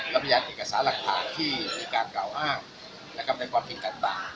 และพยานเอกสารักษาที่มีการกล่าวอ้างและกำไรกว่าเพียงกันต่าง